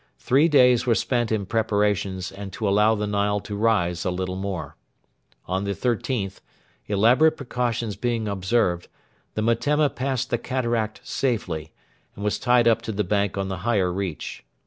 Three days were spent in preparations and to allow the Nile to rise a little more. On the 13th, elaborate precautions being observed, the Metemma passed the cataract safely, and was tied up to the bank on the higher reach.